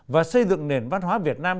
và xây dựng nền văn hóa việt nam